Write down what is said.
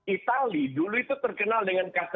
itali dulu itu terkenal dengan